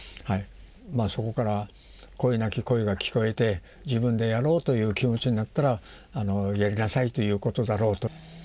そこから声なき声が聞こえて自分でやろうという気持ちになったらやりなさいということだろうと。